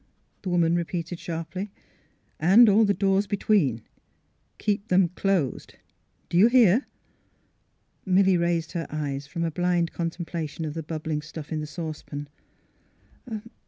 " the woman repeated, sharply. " And all the doors between — keep them closed. Do you hear? " Milly raised her eyes from a blind contempla tion of the bubbling stuff in the saucepan.